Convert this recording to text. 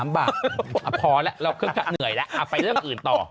พอแล้วเราก็เหนื่อยแล้วไปเรื่องอื่นต่อ